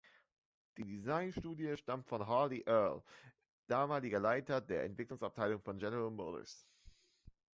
Die Designstudie stammt von Harley Earl, damaliger Leiter der Entwicklungsabteilung von General Motors.